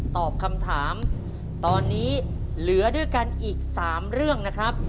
ตอบคำถามตอนนี้เหลือด้วยกันอีก๓เรื่องนะครับ